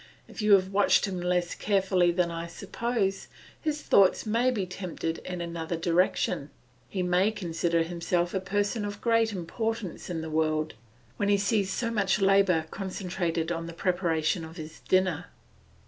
If you have watched him less carefully than I suppose, his thoughts may be tempted in another direction; he may consider himself a person of great importance in the world, when he sees so much labour concentrated on the preparation of his dinner.